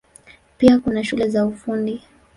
Pia kuna shule za Ufundi.